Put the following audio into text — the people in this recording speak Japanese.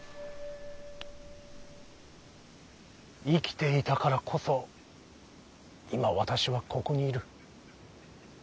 生きていたからこそ今私はここにいる。